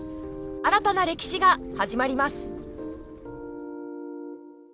新たな歴史が始まります。